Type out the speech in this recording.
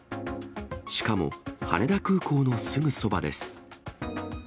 しかも羽田空港のすぐそばです。